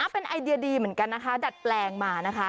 เป็นไอเดียดีเหมือนกันนะคะดัดแปลงมานะคะ